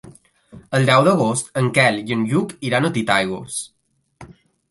El deu d'agost en Quel i en Lluc iran a Titaigües.